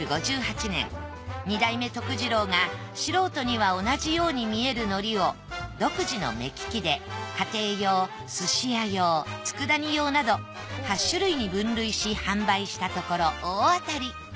素人には同じように見える海苔を独自の目利きで家庭用寿司屋用佃煮用など８種類に分類し販売したところ大当たり。